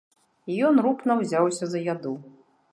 Ён рупна ўзяўся за яду.